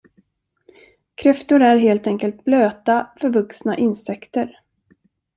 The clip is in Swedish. Kräftor är helt enkelt blöta, förvuxna insekter.